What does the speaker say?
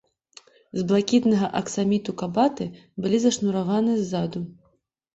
З блакітнага аксаміту кабаты былі зашнураваны ззаду.